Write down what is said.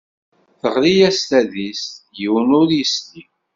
Teɣli-as tadist, yiwen ur yesli.